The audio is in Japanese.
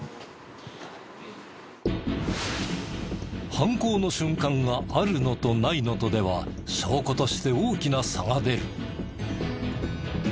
犯行の瞬間があるのとないのとでは証拠として大きな差が出る。